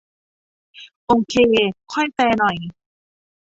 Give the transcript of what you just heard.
โอเค ค่อยแฟร์หน่อย